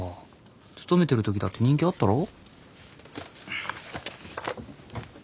勤めてるときだって人気あったろ？